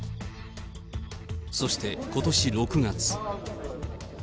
そしてことし６月。